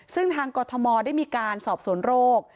ซึ่งทางกรทมได้มีการสอบสวนโรค